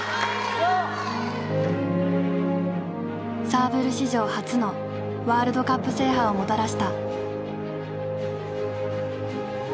サーブル史上初のワールドカップ制覇をもたらした。